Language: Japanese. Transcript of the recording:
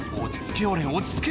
「落ち着け